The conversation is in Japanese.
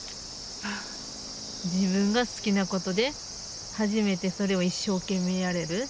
自分が好きなことで始めてそれを一生懸命やれる。